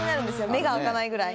目が開かないぐらい。